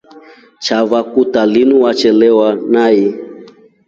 Chava kutaa linu washelewa nai?